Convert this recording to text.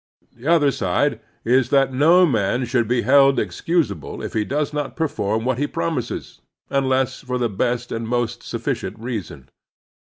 The other side is that no man shotild be held excusable if he does not perform what he promises, tmless for the best and most sufficient reason.